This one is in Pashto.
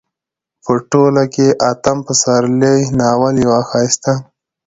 په ټوله کې اتم پسرلی ناول يو ښايسته